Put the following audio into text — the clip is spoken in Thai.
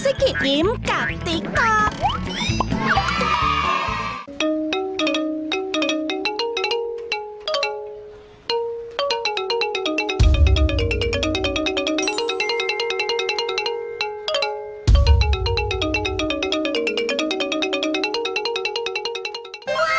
โอ้โฮ